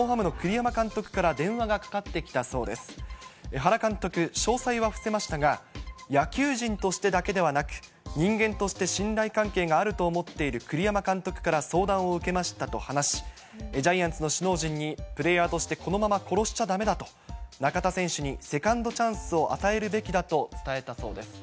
原監督、詳細は伏せましたが、野球人としてだけではなく、人間として信頼関係があると思っている栗山監督から相談を受けましたと話し、ジャイアンツの首脳陣に、プレーヤーとしてこのまま殺しちゃだめだと、中田選手にセカンドチャンスを与えるべきだと伝えたそうです。